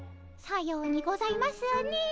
さようにございますねえ。